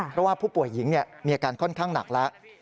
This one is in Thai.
เพราะว่าผู้ป่วยหญิงมีอาการค่อนข้างหนักแล้ว